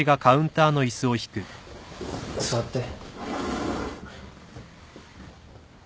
座って。